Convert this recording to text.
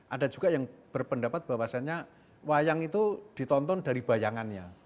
ada juga yang berpendapat bahwasannya wayang itu ditonton dari bayangannya